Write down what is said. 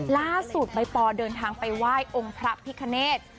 ล่าสุดใบปอเดินทางไปไหว้องค์พระพิคเนธ